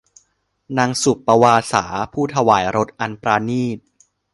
นางสุปปวาสา ผู้ถวายรสอันปราณีต